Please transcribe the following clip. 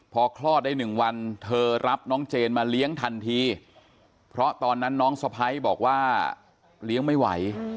พอคลอดได้๑วันเธอรับน้องเจนมาเลี้ยงทันทีเพราะตอนนั้นน้องสะพ้ายบอกว่าเลี้ยงไม่ไหว